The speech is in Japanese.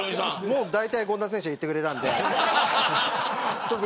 もう大体権田選手が言ってくれたんで。